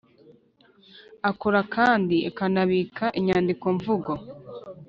Akora kandi akanabika inyandiko mvugo